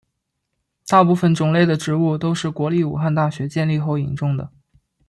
大部分种类的植物都是国立武汉大学建立后引种的。